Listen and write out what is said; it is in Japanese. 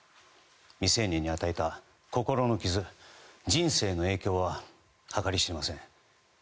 未成年に与えた心の傷人生の影響ははかり知れません。